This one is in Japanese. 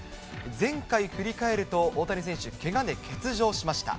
前回振り返ると、大谷選手、けがで欠場しました。